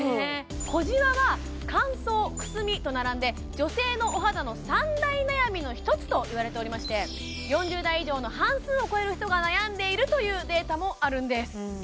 小じわは乾燥くすみと並んで女性のお肌の３大悩みの１つといわれておりまして４０代以上の半数を超える人が悩んでいるというデータもあるんです